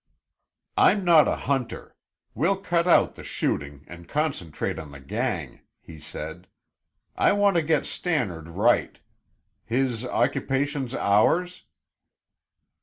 "I'm not a hunter. We'll cut out the shooting and concentrate on the gang," he said. "I want to get Stannard right. His occupation's ours?"